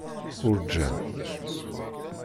Uṛǧan.